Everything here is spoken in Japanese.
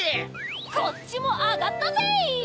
こっちもあがったぜい！